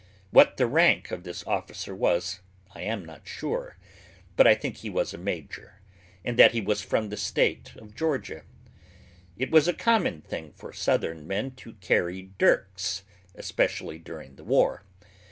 What the rank of this officer was I am not sure, but I think he was a Major, and that he was from the state of Georgia. It was a common thing for southern men to carry dirks, especially during the war.